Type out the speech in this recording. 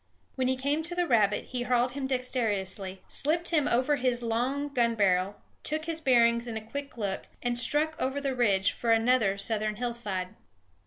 When he came to the rabbit he harled him dexterously, slipped him over his long gun barrel, took his bearings in a quick look, and struck over the ridge for another southern hillside.